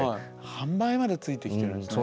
販売までついてきてるんですね。